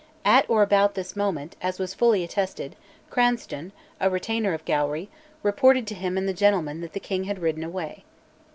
At or about this moment, as was fully attested, Cranstoun, a retainer of Gowrie, reported to him and the gentlemen that the king had ridden away.